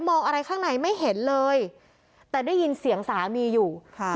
มองอะไรข้างในไม่เห็นเลยแต่ได้ยินเสียงสามีอยู่ค่ะ